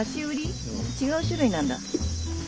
違う種類なんだ。